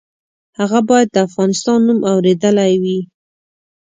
هغه باید د افغانستان نوم اورېدلی وي.